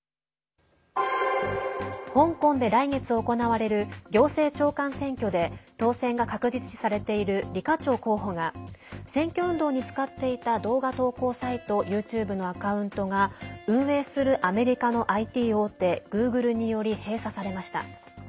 香港で来月行われる行政長官選挙で当選が確実視されている李家超候補が選挙運動に使っていた動画投稿サイトＹｏｕＴｕｂｅのアカウントが運営するアメリカのＩＴ大手グーグルにより閉鎖されました。